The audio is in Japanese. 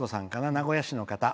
名古屋市の方。